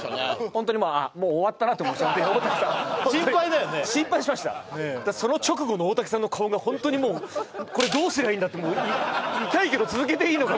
ホントにもう「もう終わったな」と思いました大竹さん心配だよね心配しましたその直後の大竹さんの顔がホントにもうこれどうすりゃいいんだってもう痛いけど続けていいのか？